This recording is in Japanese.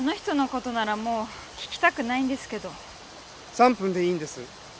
３分でいいんです。